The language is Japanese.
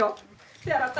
手洗った？